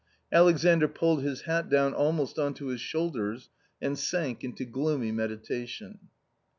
Alexandr pulled his hat down almost on to his shoulders and sank into gloomy meditation.